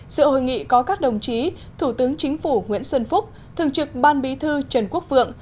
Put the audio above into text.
sự hội nghị có các đồng chí thủ tướng chính phủ nguyễn xuân phúc thường trực ban bí thư trần quốc vượng